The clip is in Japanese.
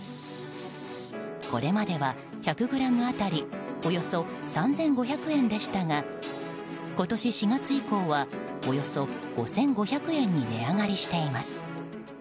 これまでは１００ｇ当たりおよそ３５００円でしたが今年４月以降はおよそ５５００円に値上がりしています。